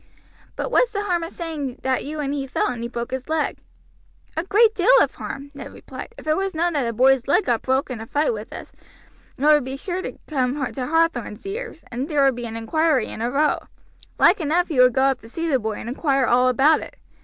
"But what's the harm of saying that you and he fell, and he broke his leg?" "A great deal of harm," Ned replied. "If it was known that a boy's leg got broke in a fight with us it would be sure to come to Hathorn's ears; then there would be an inquiry and a row. Like enough he would go up to see the boy and inquire all about it.